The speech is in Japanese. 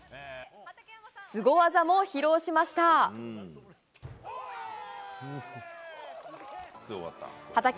すご技も披露しました。